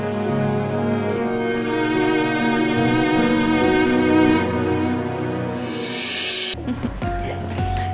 terima kasih udah nonton